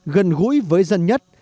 gần gũi với dân nhất